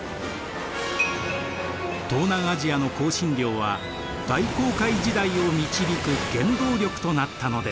東南アジアの香辛料は大航海時代を導く原動力となったのです。